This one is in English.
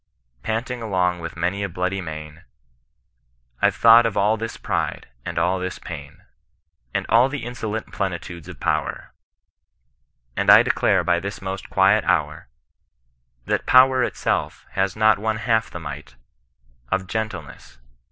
Panting along with many a bloody mane : I've thought of all this pride, and all this pain. 178 CHRISTIAN NON BE8I8TAKCB. And an the inaoknt plenltades of power ; And I declare by this moat qtdet hour, That power itself has not one half the might Of Oentleness.